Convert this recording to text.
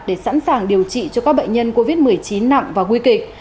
để sẵn sàng điều trị cho các bệnh nhân covid một mươi chín nặng và nguy kịch